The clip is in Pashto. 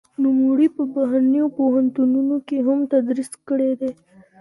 نوموړي په بهرنيو پوهنتونونو کې هم تدريس کړی دی.